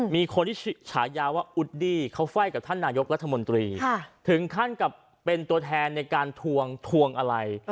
มีคนที่ฉายาว่าอุดดี้เขาไฟ่กับท่านนายกรัฐมนตรีถึงขั้นกับเป็นตัวแทนในการทวงทวงอะไร